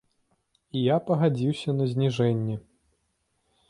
І я пагадзіўся на зніжэнне.